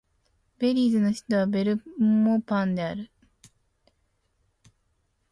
ベリーズの首都はベルモパンである